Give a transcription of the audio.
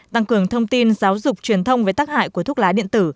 tăng cường thông tin giáo dục truyền thông về tác hại của thuốc lá điện tử